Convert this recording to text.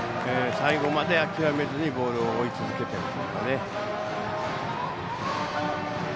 最後まで諦めずにボールを追い続けてとる。